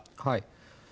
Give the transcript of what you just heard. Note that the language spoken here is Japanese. はい。